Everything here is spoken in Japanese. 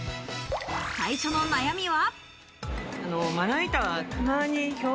最初の悩みは。